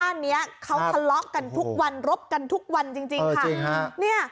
อันนี้เขาคัตล๊อกกันทุกวันรบกันทุกวันจริงชไว้